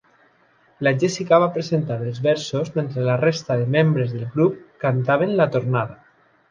La Jessica va presentar els versos mentre la resta de membres del grup cantaven la tornada.